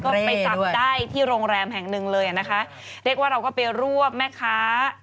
ก็ไปจับได้ที่โรงแรมแห่งหนึ่งเลยอ่ะนะคะเรียกว่าเราก็ไปรวบแม่ค้า